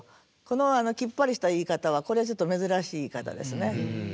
このきっぱりした言い方はこれはちょっと珍しい言い方ですね。